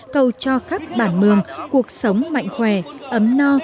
cầu cho khắp bản mường cuộc sống mạnh khỏe ấm no